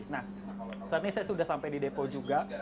nah saat ini saya sudah sampai di depo juga